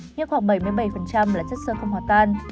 nhưng khoảng bảy mươi bảy là chất sơ không hòa tan